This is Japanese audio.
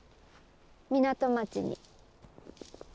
港町に。